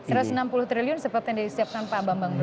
satu ratus enam puluh triliun seperti yang disiapkan pak abang bang brojo